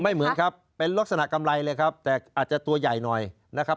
เหมือนครับเป็นลักษณะกำไรเลยครับแต่อาจจะตัวใหญ่หน่อยนะครับ